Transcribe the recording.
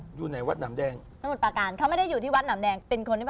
สมุทรปาการเขาไม่ได้อยู่ที่วัดหนามแดง